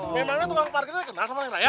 memangnya tukang parkirnya kenal sama raya